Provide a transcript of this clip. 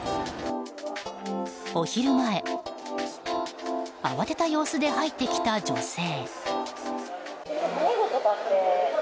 お昼前慌てた様子で入ってきた女性。